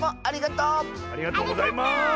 ありがとうございます。